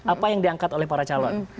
apa yang diangkat oleh para calon